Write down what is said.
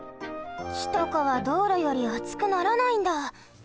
きとかはどうろよりあつくならないんだ！